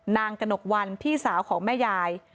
กระหนกวันพี่สาวของแม่ยาย